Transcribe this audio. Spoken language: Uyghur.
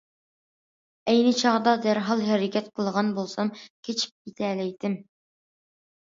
ئەينى چاغدا دەرھال ھەرىكەت قىلغان بولسام قېچىپ كېتەلەيتتىم.